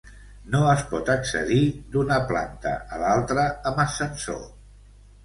No es pot accedir d'una planta a l'altra amb ascensor.